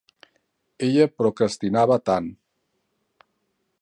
Ella procrastinava tant.